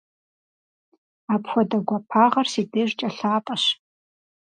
Апхуэдэ гуапагъэр си дежкӀэ лъапӀэщ.